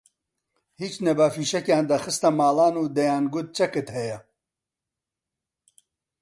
هیچ نەبا فیشەکیان دەخستە ماڵان و دەیانگوت چەکت هەیە